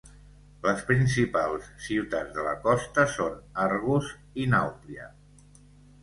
Les principals ciutats de la costa són Argos i Nàuplia.